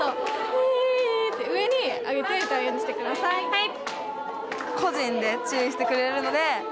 はい！